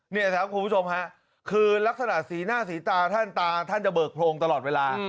นี่ครับคุณผู้ชมฮะคือลักษณะสีหน้าสีตาท่านตาท่านจะเบิกโพรงตลอดเวลา